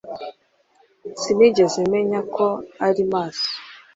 Sinigeze menya ko uri maso